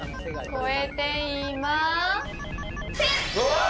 超えていません！